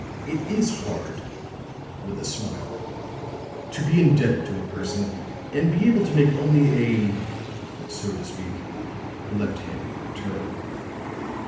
It is hard," with a smile, "to be indebted to a person and be able to make only a so to speak left handed return."